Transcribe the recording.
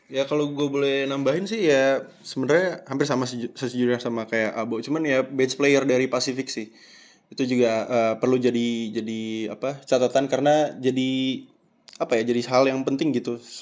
ya kalau gue boleh nambahin sih ya sebenarnya hampir sama sejujurnya sama kayak abo cuman ya bench player dari pasifik sih itu juga perlu jadi catatan karena jadi hal yang penting gitu